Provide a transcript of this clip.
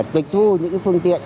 tịch thu những cái phương tiện